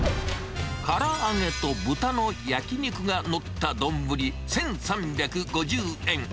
から揚げと豚の焼き肉が載った丼１３５０円。